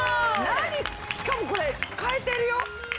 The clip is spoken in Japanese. なにしかもこれかえてるよ。